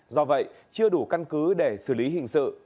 do vậy chưa đủ căn cứ để xử lý hình sự